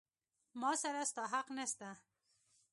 ما سره ستا حق نسته.